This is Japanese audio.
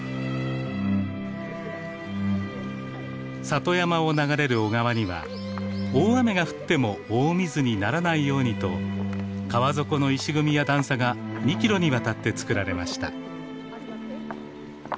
里山を流れる小川には大雨が降っても大水にならないようにと川底の石組みや段差が２キロにわたってつくられました。